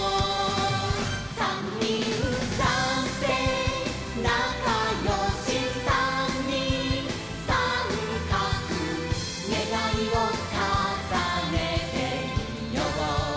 「さんにんさんせいなかよしさんにんさんかく」「ねがいをかさねてみよう」